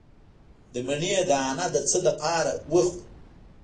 د مڼې دانه د څه لپاره مه خورم؟